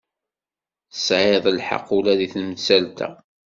Tesɛiḍ lḥeqq ula deg temsalt-a.